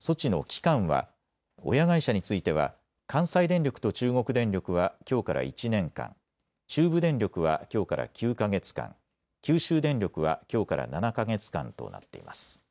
措置の期間は親会社については関西電力と中国電力はきょうから１年間、中部電力はきょうから９か月間、九州電力はきょうから７か月間となっています。